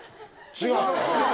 違う。